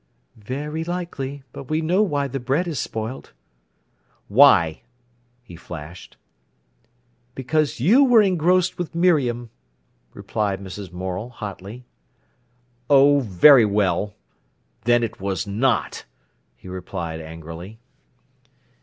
"Very likely. But we know why the bread is spoilt." "Why?" he flashed. "Because you were engrossed with Miriam," replied Mrs. Morel hotly. "Oh, very well—then it was not!" he replied angrily.